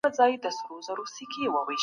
زه باید تر سهاره بېدېدلی وم.